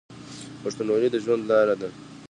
پښتونولي د ژوند لاره ده.